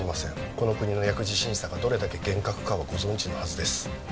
この国の薬事審査がどれだけ厳格かはご存じのはずです